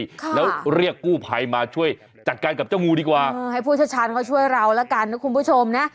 ค่ะแล้วเรียกกู้ภัยมาช่วยจัดการกับเจ้างูดีกว่าเออให้ผู้เชี่ยวชาญเขาช่วยเราแล้วกันนะคุณผู้ชมนะ